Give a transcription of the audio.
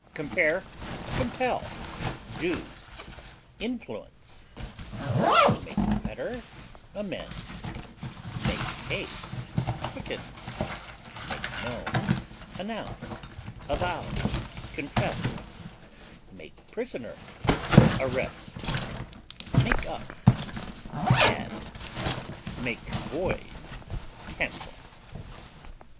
Compare COMPEL; DO; INFLUENCE; (make better) AMEND; (make haste) QUICKEN; (make known) ANNOUNCE; AVOW; CONFESS; (make prisoner) ARREST; (make up) ADD; (make void) CANCEL.